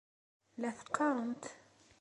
La t-qqarent.